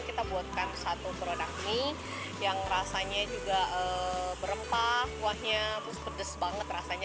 kita buatkan satu produk nih yang rasanya juga berempah kuahnya pedas banget rasanya